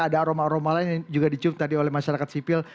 ada aroma aroma lain yang juga dicium tadi oleh masyarakat sipil